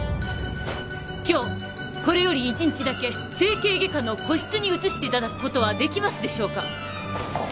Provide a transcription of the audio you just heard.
今日これより一日だけ整形外科の個室に移していただくことはできますでしょうか